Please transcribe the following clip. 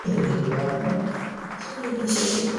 El juego está protagonizado por el Pájaro Loco.